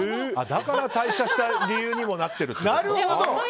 だから退社した理由にもなっていると？